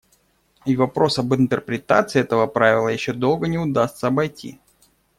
И вопрос об интерпретации этого правила еще долго не удастся обойти;.